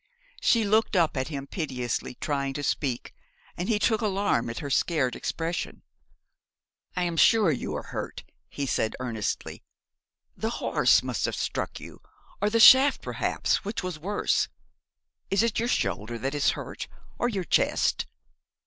She looked up at him piteously, trying to speak, and he took alarm at her scared expression. 'I am sure you are hurt,' he said earnestly, 'the horse must have struck you, or the shaft perhaps, which was worse. Is it your shoulder that is hurt, or your chest?